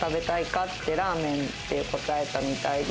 って、ラーメンって答えたみたいで。